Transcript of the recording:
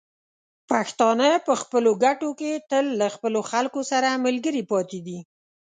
پښتانه په خپلو ګټو کې تل له خپلو خلکو سره ملګري پاتې دي.